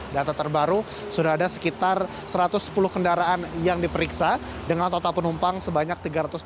data terbaru sudah ada sekitar satu ratus sepuluh kendaraan yang diperiksa dengan total penumpang sebanyak tiga ratus enam puluh